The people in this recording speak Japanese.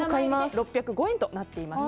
６０５円となっております。